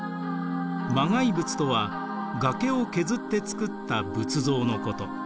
磨崖仏とは崖を削って作った仏像のこと。